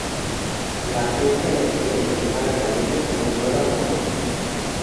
La agencia le pidió que firmara con ellos como nueva modelo.